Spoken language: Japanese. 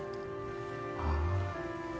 ああ。